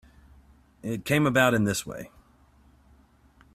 It came about in this way.